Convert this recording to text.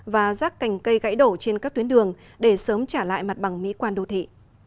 và rác cành cây gãy đổ trên các tuyến đường để sớm trả lại mặt bằng mỹ quan đô thị